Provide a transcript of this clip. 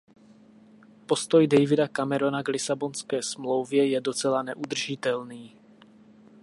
Postoj Davida Camerona k Lisabonské smlouvě je docela neudržitelný.